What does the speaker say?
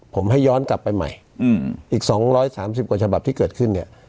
ผมให้ย้อนกลับไปใหม่อีก๒๓๐กว่าฉบับที่เกิดขึ้นเนี่ย